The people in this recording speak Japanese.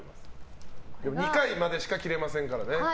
２回までしか切れませんからね。